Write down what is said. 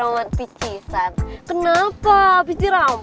roman ngapain tuh anak lari larian